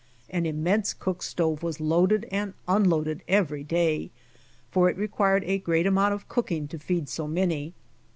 An immense cook stove was loaded and unloaded every day, for it required a .great amount of cooking to feed so many.